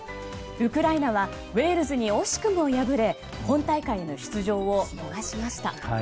ウクライナはウェールズに惜しくも敗れ本大会への出場を逃しました。